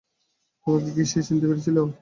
তোমাকে কি সে চিনতে পেরেছিল?